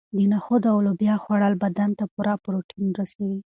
د نخودو او لوبیا خوړل بدن ته پوره پروټین رسوي.